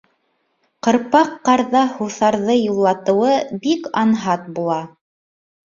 Ҡырпаҡ ҡарҙа һуҫарҙы юллатыуы бик анһат була.